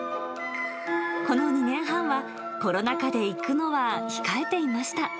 この２年半は、コロナ禍で行くのは控えていました。